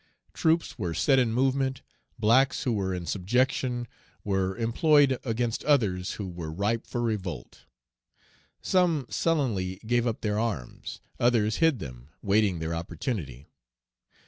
Troops were set in movement, blacks who were in subjection were employed against others who were ripe for revolt; some sullenly gave up their arms, others hid them, waiting their opportunity.